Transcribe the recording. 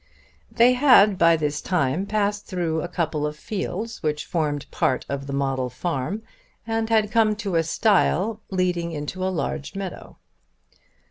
They had by this time passed through a couple of fields which formed part of the model farm, and had come to a stile leading into a large meadow.